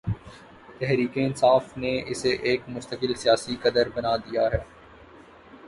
تحریک انصاف نے اسے ایک مستقل سیاسی قدر بنا دیا ہے۔